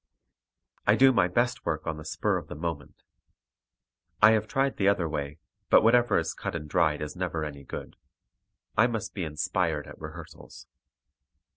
I do my best work on the spur of the moment. I have tried the other way, but whatever is cut and dried is never any good. I must be inspired at rehearsals.